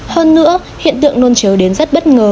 hơn nữa hiện tượng nôn chiếu đến rất bất ngờ